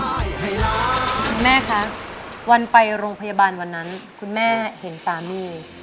คุณแม่คะวันไปโรงพยาบาลวันนั้นคุณแม่เห็นสามี